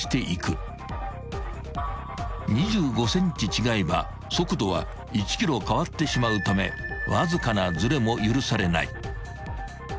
［２５ｃｍ違えば速度は１キロ変わってしまうためわずかなずれも許されない］